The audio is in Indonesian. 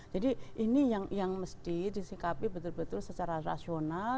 ini yang mesti disikapi betul betul secara rasional